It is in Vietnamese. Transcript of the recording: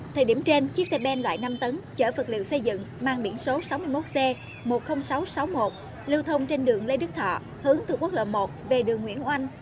thời điểm trên chiếc xe ben loại năm tấn chở vật liệu xây dựng mang biển số sáu mươi một c một mươi nghìn sáu trăm sáu mươi một lưu thông trên đường lê đức thọ hướng từ quốc lộ một về đường nguyễn oanh